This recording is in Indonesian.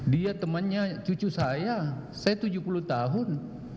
dia temannya cucu saya saya tujuh puluh tahun